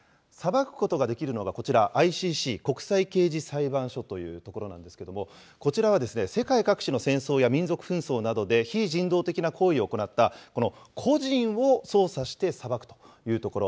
裁くことができるのはこちら、ＩＣＣ・国際刑事裁判所という所なんですけれども、こちらはですね、世界各地の戦争や民族紛争などで、非人道的な行為を行った、個人を捜査して裁くという所。